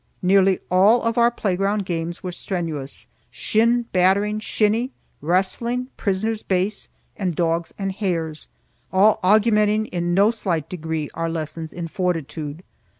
Nearly all of our playground games were strenuous,—shin battering shinny, wrestling, prisoners' base, and dogs and hares,—all augmenting in no slight degree our lessons in fortitude.